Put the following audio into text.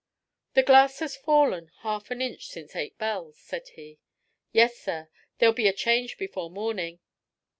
"The glass has fallen half an inch since eight bells," said he. "Yes, sir; there'll be a change before morning."